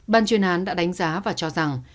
ban chuyên án đã đánh giá và cho rằng